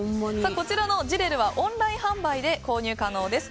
こちらのＺＩＲＥＲＵはオンライン販売で購入可能です。